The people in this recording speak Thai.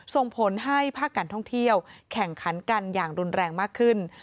ส่งผลให้ภาคการท่องเที่ยวแข่งขันกันอย่างรุนแรงมากขึ้น